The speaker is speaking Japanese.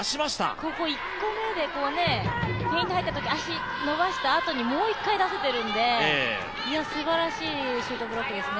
ここ、１個目で入ったとき足伸ばしたあともう１回出せてるんですばらしいシュートブロックですね。